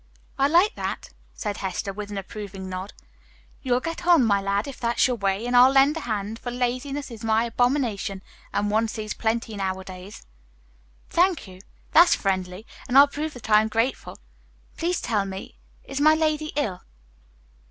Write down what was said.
"I like that," said Hester, with an approving nod. "You'll get on, my lad, if that's your way, and I'll lend a hand, for laziness is my abomination, and one sees plenty nowadays." "Thank you. That's friendly, and I'll prove that I am grateful. Please tell me, is my lady ill?"